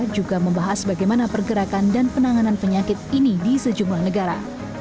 juga membahas bagaimana pergerakan dan penanganan penyakit ini di sejumlah negara